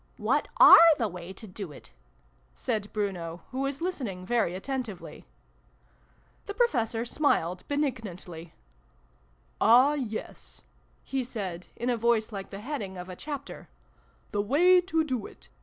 z 2 340 SYLVIE AND BRUNO CONCLUDED. " What are the way to do it ?" said Bruno, who was listening very attentively. The Professor smiled benignantly. " Ah, yes !" he said, in a voice like the heading of a chapter. " The Way To Do It